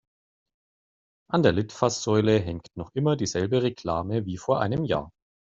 An der Litfaßsäule hängt noch immer dieselbe Reklame wie vor einem Jahr.